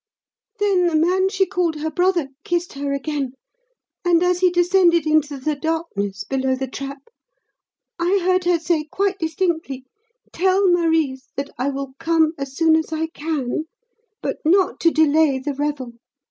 Then the man she called her brother kissed her again, and as he descended into the darkness below the trap I heard her say quite distinctly: 'Tell Marise that I will come as soon as I can; but not to delay the revel.